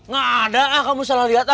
gak ada ah kamu salah lihat ah